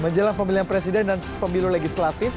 menjelang pemilihan presiden dan pemilu legislatif